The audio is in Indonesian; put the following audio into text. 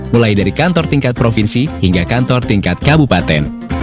mulai dari kantor tingkat provinsi hingga kantor tingkat kabupaten